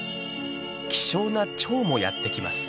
希少なチョウもやって来ます。